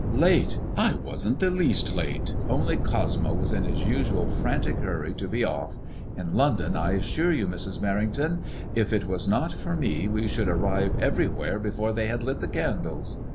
" Late ! I wasn't the least late, only Cosmo was in his usual frantic hurry to be off. In Lon don, I assure you, Mrs. Merring 146 MADEMOISKLUE IX£« ton, if it was not for me we should arrive everywhere before tbejr had lit the candles.